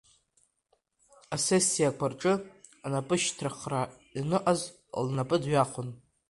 Асессиақәа рҿы, анапышьҭхра аныҟаз, лнапы дҩахон.